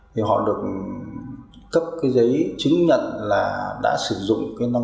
thì họ được cấp cái giấy chứng nhận là đã sử dụng cái năng lượng